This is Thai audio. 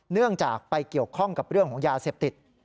เนื่องจากไปเกี่ยวข้องกับเรื่องของยาเสพติด